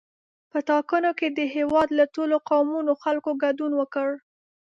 په ټاکنو کې د هېواد له ټولو قومونو خلکو ګډون وکړ.